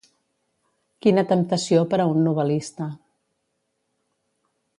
Quina temptació per a un novel·lista.